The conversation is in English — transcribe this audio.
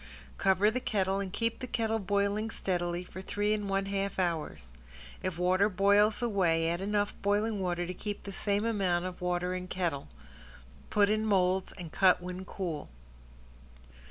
Cover the kettle and keep the kettle boiling steadily for three and one half hours. If water boils away add enough boiling water to keep the same amount of water in kettle. Put in molds and cut when cool.